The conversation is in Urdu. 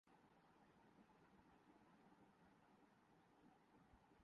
جنوبی کوریا میں حقیقت۔